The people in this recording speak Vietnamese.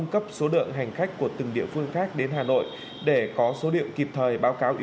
cảm ơn các bạn đã theo dõi